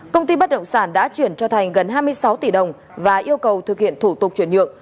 công ty bất động sản đã chuyển cho thành gần hai mươi sáu tỷ đồng và yêu cầu thực hiện thủ tục chuyển nhượng